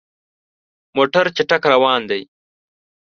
موټر چټک روان دی.